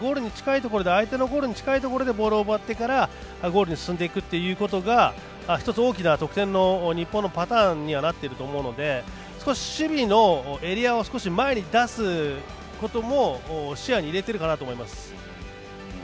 相手のゴールに近いところでボールを奪ってからゴールに進んでいくことが１つ大きな得点の日本のパターンにはなっていると思うので少し守備のエリアを前に出すことも視野に入れているかなと思います。